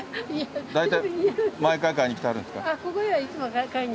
毎回買いに来てはるんですか？